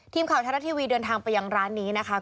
ทีมข่าวไทยรัฐทีวีเดินทางไปยังร้านนี้นะคะ